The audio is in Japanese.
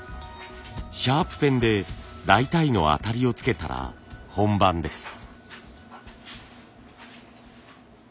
シャープペンで大体のあたりをつけたら本番です。